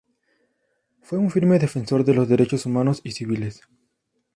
Fue un firme defensor de los derechos humanos y civiles.